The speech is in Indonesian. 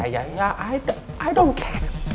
ya ya ya saya tidak peduli